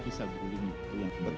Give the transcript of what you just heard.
kisah beruling itu yang penting